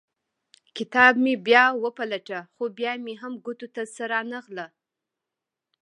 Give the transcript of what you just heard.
کتاب مې بیا وپلټه خو بیا مې هم ګوتو ته څه رانه غلل.